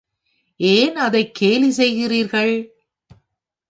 ஏன் அதைக் கேலி செய்கிறீர்கள்?